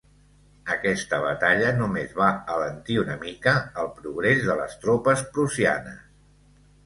Aquesta batalla només va alentir una mica el progrés de les tropes prussianes.